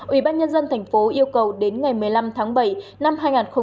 ủy ban nhân dân tp hcm yêu cầu đến ngày một mươi năm tháng bảy năm hai nghìn một mươi chín